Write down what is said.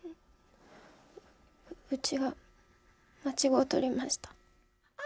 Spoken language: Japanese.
うちが間違うとりました。